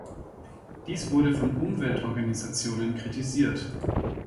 Dies wurde von Umweltorganisationen kritisiert.